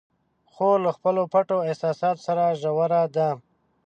خور له خپلو پټو احساساتو سره ژوره ده.